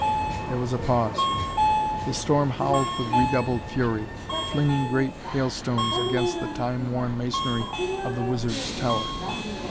There was a pause. The storm howled with redoubled fury, flinging great hailstones against the time worn masonry of the wizard's tower.